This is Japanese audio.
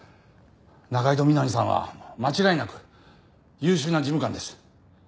仲井戸みなみさんは間違いなく優秀な事務官です。